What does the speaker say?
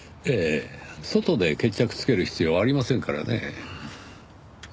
外で決着つける必要ありませんからねぇ。